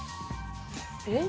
えっ？